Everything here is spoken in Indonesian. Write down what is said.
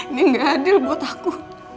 ini gak adil buat aku